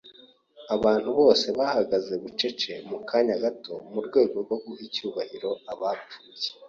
Abantu bose bahagaze bucece mu kanya gato, mu rwego rwo guha icyubahiro abapfuye.